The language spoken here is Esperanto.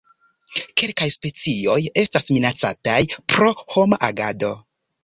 Kelkaj specioj estas minacataj pro homa agado.